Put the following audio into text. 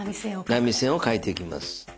波線を書いていきます。